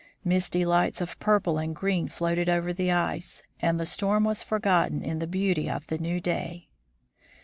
Misty lights of purple and green floated over the ice, and the storm was forgotten in the beauty of the new day.